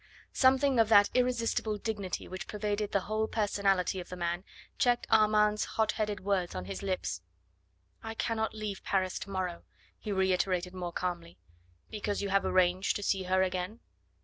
Something of that irresistible dignity which pervaded the whole personality of the man checked Armand's hotheaded words on his lips. "I cannot leave Paris to morrow," he reiterated more calmly. "Because you have arranged to see her again?"